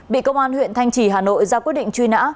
bị công an huyện thanh trì hà nội ra quyết định truy nã